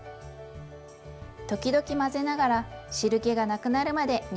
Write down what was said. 時々混ぜながら汁けがなくなるまで煮て下さいね。